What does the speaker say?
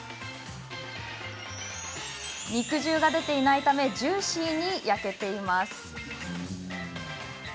肉汁が出ていないためジューシーに焼けています。